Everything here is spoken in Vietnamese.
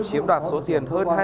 chiếm đoạt số tiền hơn